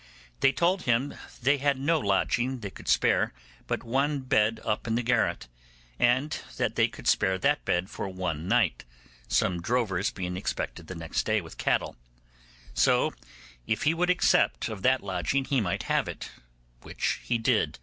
They told him they had no lodging that they could spare but one bed up in the garret, and that they could spare that bed for one night, some drovers being expected the next day with cattle; so, if he would accept of that lodging, he might have it, which he did.